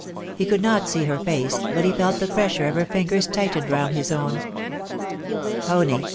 He could not see her face, but he felt the pressure of her fingers tighten round his own. ' Honie